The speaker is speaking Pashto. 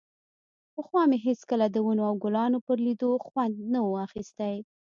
پخوا مې هېڅکله د ونو او ګلانو پر ليدو خوند نه و اخيستى.